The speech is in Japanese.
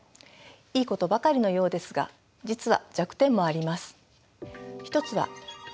いいことばかりのようですが実は弱点もあります。